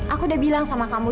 aku udah bilang sama kamu